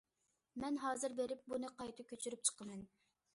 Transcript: - مەن ھازىر بېرىپ بۇنى قايتا كۆچۈرۈپ چىقىمەن.